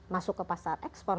masuk ke pasar ekspor